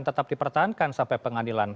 tetap dipertahankan sampai pengadilan